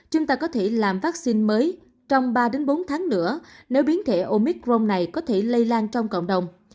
chúng ta có thể làm vaccine mới trong ba bốn tháng nữa nếu biến thể omic rome này có thể lây lan trong cộng đồng